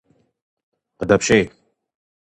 Къыдэпщей!